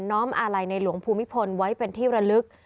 ้อมอาลัยในหลวงภูมิพลไว้เป็นที่ระลึก